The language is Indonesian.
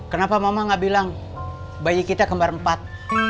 kenapa mama gak bilang bayi kita kembar empat